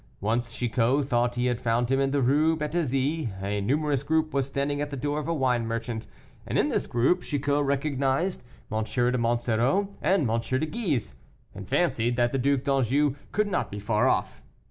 Once Chicot thought he had found him in the Rue Bethisy; a numerous group was standing at the door of a wine merchant; and in this group Chicot recognized M. de Monsoreau and M. de Guise, and fancied that the Duc d'Anjou could not be far off.